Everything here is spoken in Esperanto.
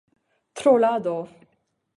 trolado